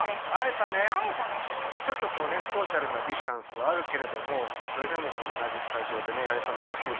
ちょっとソーシャルなディスタンスはあるけれどもそれでも同じスタジオでねやれたのうれしいね。